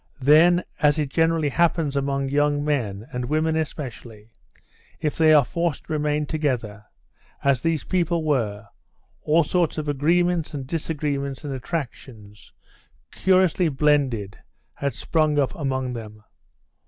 Then, as it generally happens among young men, and women especially, if they are forced to remain together, as these people were, all sorts of agreements and disagreements and attractions, curiously blended, had sprung up among them.